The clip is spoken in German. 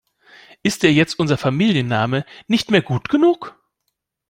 Ist dir jetzt unser Familienname nicht mehr gut genug?